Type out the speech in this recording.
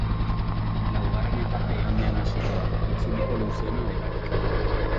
Laugarren etapa igandean hasiko da, itzuliko luzeena delarik.